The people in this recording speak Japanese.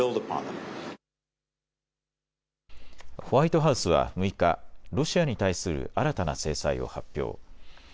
ホワイトハウスは６日、ロシアに対する新たな制裁を発表。